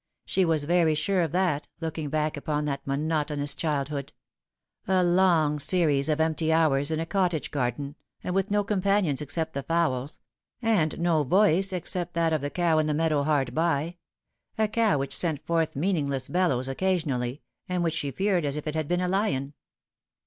She was very sure of that, looking back upon that monotonous childhood : a long series of empty hours in a cottage garden, and with no compa nions except the fowls, and no voice except that of the cow in the meadow hard by : a cow which sent forth meaningless bellows occasionally, and which she feared as if it had been a lion.